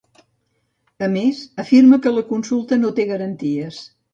A més, afirma que la consulta no té garanties.